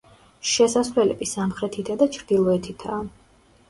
შესასვლელები სამხრეთითა და ჩრდილოეთითაა.